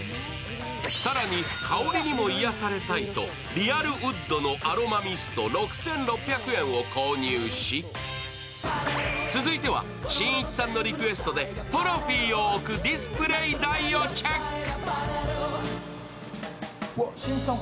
更に、香りにも癒されたいとリアルウッドのアロマミスト６６００円を購入し続いてはしんいちさんのリクエストでトロフィーを置くディスプレー台をチェック。